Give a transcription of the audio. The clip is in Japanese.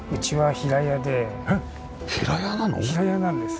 平屋なんです。